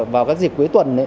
vào các dịp cuối tuần